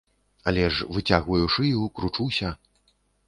Але ж выцягваю шыю, кручуся.